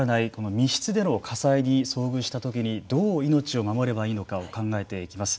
密室での火災に遭遇したときにどう命を守ればいいのかを考えていきます。